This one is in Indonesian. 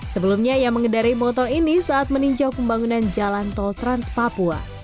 sebelumnya ia mengendari motor ini saat meninjau pembangunan jalan tol trans papua